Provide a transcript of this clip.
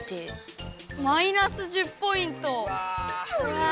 うわ！